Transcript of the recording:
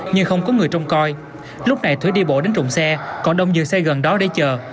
nhưng không có người trông coi lúc này thúy đi bộ đến trụng xe còn đông dừng xe gần đó để chờ